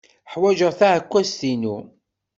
Ḥwajeɣ taɛekkazt-inu.